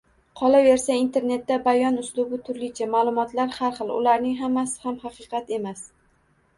Qolaversa, internetda bayon uslubi turlicha, ma’lumotlar har xil. Ularning hammasi ham haqiqat emas.